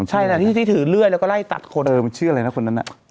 ใช่แหละที่ถือเลื่อยแล้วก็ไล่ตัดคนเออมันชื่ออะไรนะคนนั้นน่ะ